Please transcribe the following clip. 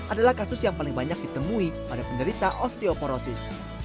adalah kasus yang paling banyak ditemui pada penderita osteoporosis